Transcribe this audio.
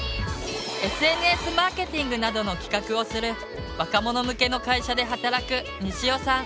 ＳＮＳマーケティングなどの企画をする若者向けの会社で働くにしおさん。